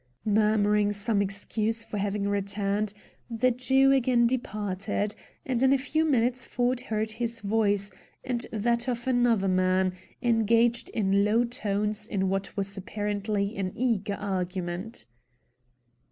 Murmuring some excuse for having returned, the Jew again departed, and in a few minutes Ford heard his voice, and that of another man, engaged in low tones in what was apparently an eager argument.